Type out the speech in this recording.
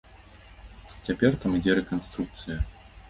Цяпер там ідзе рэканструкцыя.